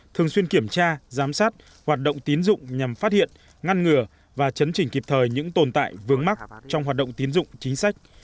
thường xuyên kiểm tra giám sát hoạt động tín dụng nhằm phát hiện ngăn ngừa và chấn chỉnh kịp thời những tồn tại vướng mắc trong hoạt động tiến dụng chính sách